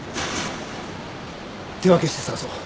手分けして捜そう。